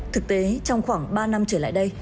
thực tế trong khoảng ba năm trở lại đây